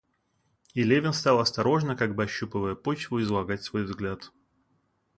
И Левин стал осторожно, как бы ощупывая почву, излагать свой взгляд.